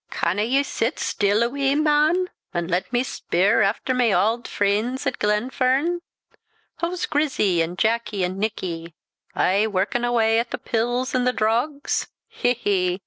"Canna ye sit still a wee, man, an' let me spear after my auld freens at Glenfern? Hoo's Grizzy, an' Jacky, and Nicky? Aye workin awa at the pills an' the drogs? he, he!